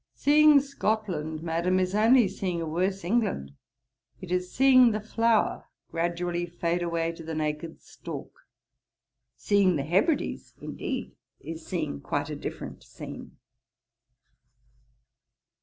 'Seeing Scotland, Madam, is only seeing a worse England. It is seeing the flower gradually fade away to the naked stalk. Seeing the Hebrides, indeed, is seeing quite a different scene.'